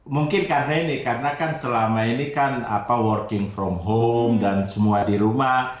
mungkin karena ini karena kan selama ini kan working from home dan semua di rumah